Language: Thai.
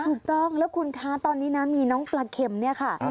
ถูกต้องแล้วคุณคะตอนนี้นะมีน้องปลาเข็มเนี่ยค่ะ